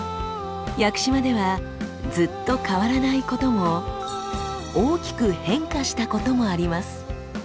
屋久島ではずっと変わらないことも大きく変化したこともあります。